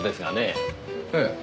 ええ。